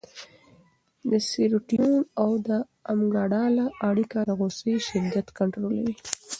د سېرټونین او امګډالا اړیکه د غوسې شدت کنټرولوي.